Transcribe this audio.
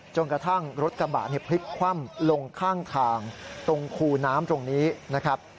จนกระทั่งรถกระบะพลิกคว่ำลงข้างทางตรงคูน้ำตรงนี้นะครับ